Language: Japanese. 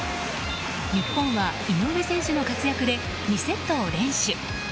日本は井上選手の活躍で２セットを連取。